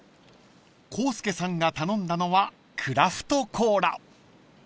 ［浩介さんが頼んだのはクラフトコーラ］